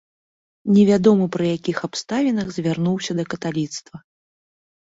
Невядома пры якіх абставінах звярнуўся да каталіцтва.